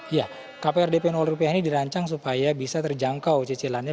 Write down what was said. iya kpr dp rupiah ini dirancang supaya bisa terjangkau cicilannya